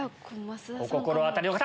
お心当たりの方！